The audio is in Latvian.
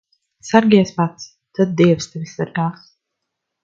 Sargies pats, tad dievs tevi sargās.